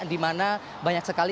dimana banyak sekali